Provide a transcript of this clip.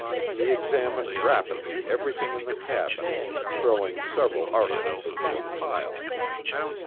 He examined rapidly everything in the cabin, throwing several articles into a pile.